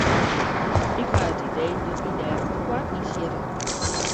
Ik ha it idee dat wy dêr te koart yn sjitte.